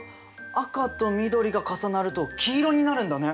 赤と緑が重なると黄色になるんだね。